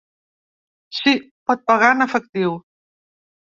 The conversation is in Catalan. Si, pot pagar en efectiu.